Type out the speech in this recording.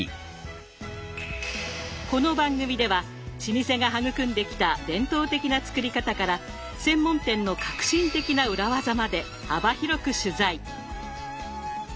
この番組では老舗が育んできた伝統的な作り方から専門店の革新的な裏技まで幅広く取材。